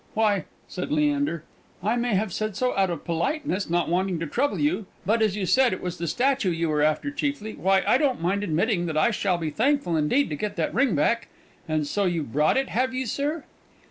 "Why," said Leander, "I may have said so out of politeness, not wanting to trouble you; but, as you said it was the statue you were after chiefly, why, I don't mind admitting that I shall be thankful indeed to get that ring back. And so you've brought it, have you, sir?"